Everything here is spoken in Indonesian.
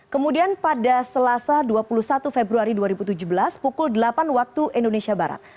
kemudian pada selasa dua puluh satu februari dua ribu tujuh belas pukul delapan waktu indonesia barat